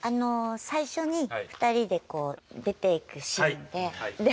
最初に２人でこう出ていくシーンで。